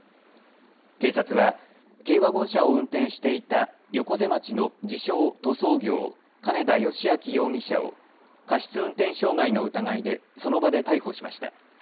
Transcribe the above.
警察は軽ワゴン車を運転していた横瀬町の自称、塗装業、金田義昭容疑者を過失運転傷害の疑いでその場で逮捕しました。